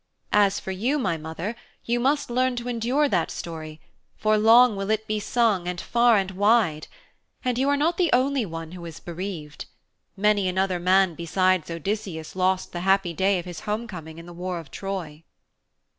As for you, my mother, you must learn to endure that story, for long will it be sung and far and wide. And you are not the only one who is bereaved many another man besides Odysseus lost the happy day of his homecoming in the war of Troy.'